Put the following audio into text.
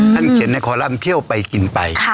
ท่านเขียนในคอลังเที่ยวไปกินไป